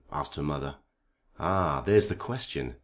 asked her mother. "Ah! there's the question!